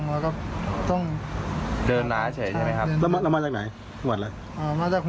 ไปกองเหตุที่ไหนดีมั้ยคะ